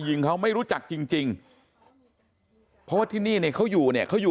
ยิงเขาไม่รู้จักจริงเพราะว่าที่นี่เนี่ยเขาอยู่เนี่ยเขาอยู่